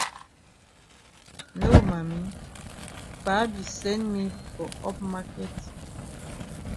No Mami, Pa be send me for up maket.